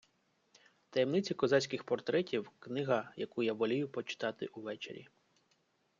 Таємниці козацьких портретів - книга, яку я волію почитати увечері